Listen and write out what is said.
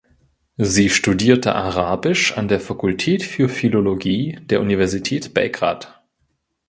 Sie studierte Arabisch an der Fakultät für Philologie der Universität Belgrad.